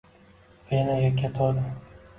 Venaga ketodi